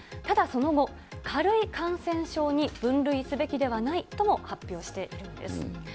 ただ、その後、軽い感染症に分類すべきではないとも発表しているんです。